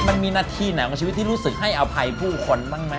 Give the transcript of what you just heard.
มันมีหน้าที่ไหนของชีวิตที่รู้สึกให้อภัยผู้คนบ้างไหม